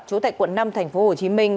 chủ tịch quận năm thành phố hồ chí minh